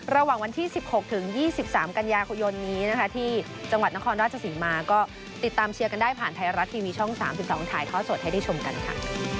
ระหว่างวันที่๑๖ถึง๒๓กันยายนนี้นะคะที่จังหวัดนครราชศรีมาก็ติดตามเชียร์กันได้ผ่านไทยรัฐทีวีช่อง๓๒ถ่ายทอดสดให้ได้ชมกันค่ะ